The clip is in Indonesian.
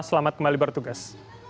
selamat kembali bertugas